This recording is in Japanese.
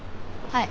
はい。